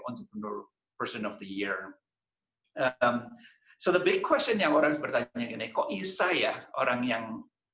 orang tahun untuk pembayar jadi pertanyaan besar yang orang bertanya gini kok isah ya orang yang